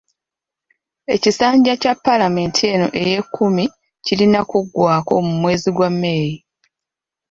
Ekisanja kya paalamenti eno ey'e kkumi kirina kuggwako mu mwezi gwa May.